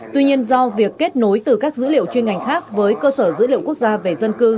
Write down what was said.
tuy nhiên do việc kết nối từ các dữ liệu chuyên ngành khác với cơ sở dữ liệu quốc gia về dân cư